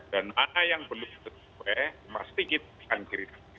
dan mana yang belum sesuai pasti kita ikut